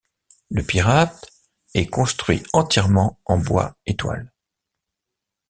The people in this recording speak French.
Le Pirat est construit entièrement en bois et toile.